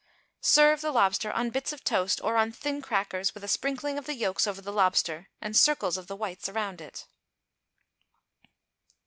Serve the lobster on bits of toast, or on thin crackers, with a sprinkling of the yolks over the lobster, and circles of the whites around it.